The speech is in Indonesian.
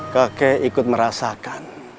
kakak ikut merasakan